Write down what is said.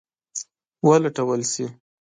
ولټول شي.